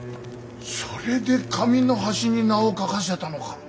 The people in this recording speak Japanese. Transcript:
それで紙の端に名を書かせたのか。